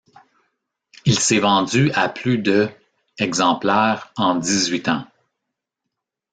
Il s'est vendu à plus de exemplaires en dix-huit ans.